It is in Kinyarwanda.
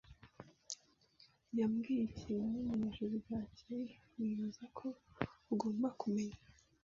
yambwiye ikintu mu ijoro ryakeye nibaza ko ugomba kumenya.